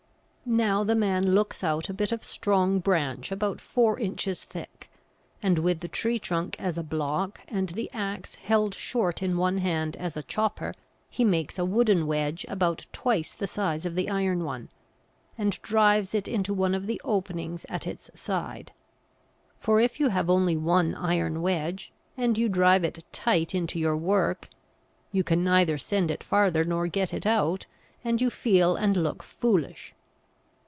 Now the man looks out a bit of strong branch about four inches thick, and with the tree trunk as a block and the axe held short in one hand as a chopper, he makes a wooden wedge about twice the size of the iron one, and drives it into one of the openings at its side. For if you have only one iron wedge, and you drive it tight into your work, you can neither send it farther nor get it out, and you feel and look foolish.